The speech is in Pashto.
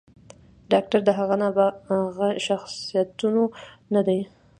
“ډاکتر د هغه نابغه شخصياتو نه دے